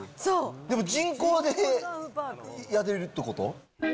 でも人工でやれるってこと？